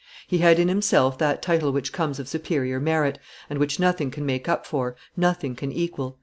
He had in himself that title which comes of superior merit, and which nothing can make up for, nothing can equal.